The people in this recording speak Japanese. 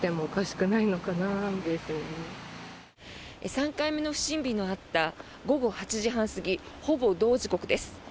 ３回目の不審火のあった午後８時半過ぎほぼ同時刻です。